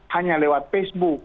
hanya lewat facebook